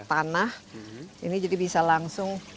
tanah ini jadi bisa langsung